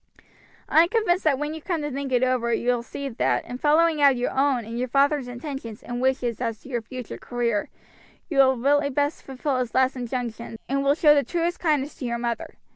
"I am convinced that when you come to think it over you will see that, in following out your own and your father's intentions and wishes as to your future career, you will really best fulfil his last injunctions and will show the truest kindness to your mother.